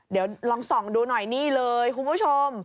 เดี๋ยวลองส่องดูหน่อยนี่เลยคุณผู้ชม